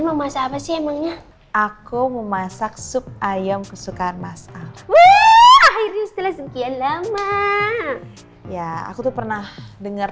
mbunuh cukup cukup penting